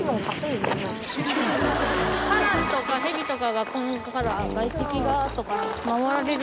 カラスとかヘビとかが来んから外敵がとか守られるらしい。